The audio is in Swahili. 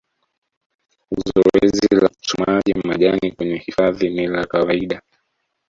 Zoezi la uchomaji majani kwenye hifadhi ni la kawaida